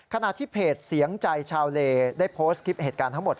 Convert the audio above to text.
ขณะที่เพจเสียงใจชาวเลได้โพสต์คลิปเหตุการณ์ทั้งหมด